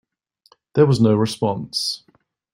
There was no response.